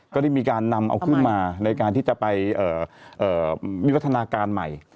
ก็ได้มีการนำเอาขึ้นมาในการที่จะไปวิวัฒนาการใหม่